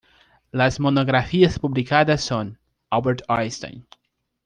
Las monografías publicada son: Albert Einstein.